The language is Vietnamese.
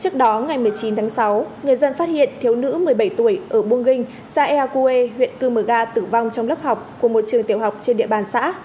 trước đó ngày một mươi chín tháng sáu người dân phát hiện thiếu nữ một mươi bảy tuổi ở buông ginh xa eakue huyện cư mờ ga tử vong trong lớp học của một trường tiểu học trên địa bàn xã